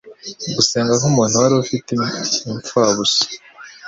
Gusenga k'umuntu wari ufite 'impfabusa